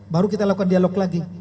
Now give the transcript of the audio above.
baru kita lakukan dialog lagi